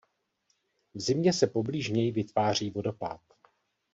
V zimě se poblíž něj vytváří vodopád.